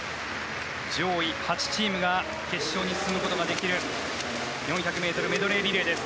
上位８チームが決勝に進むことができる４００ｍメドレーリレーです。